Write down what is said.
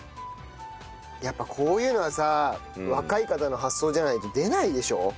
やっぱこういうのはさ若い方の発想じゃないと出ないでしょ？